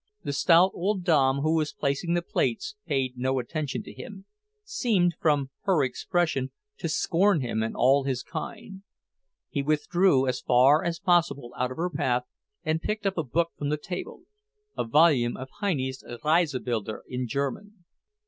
The stout old dame who was placing the plates paid no attention to him, seemed, from her expression, to scorn him and all his kind. He withdrew as far as possible out of her path and picked up a book from the table, a volume of Heine's Reisebilder in German.